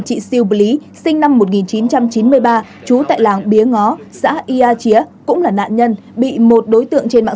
chị siêu b lý sinh năm một nghìn chín trăm chín mươi ba trú tại làng bía ngó xã ia chía cũng là nạn nhân bị một đối tượng trên mạng